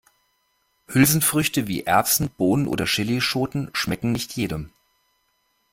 Hülsenfrüchte wie Erbsen, Bohnen oder Chillischoten schmecken nicht jedem.